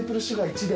１で。